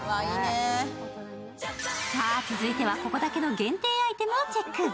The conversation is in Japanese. さぁ、続いてはここだけの限定アイテムをチェック。